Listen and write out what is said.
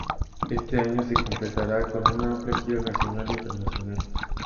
Este año se completará con una amplia gira nacional e internacional.